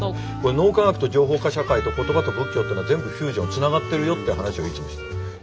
脳科学と情報化社会と言葉と仏教っていうのは全部フュージョンつながってるよっていう話をいつもしていて。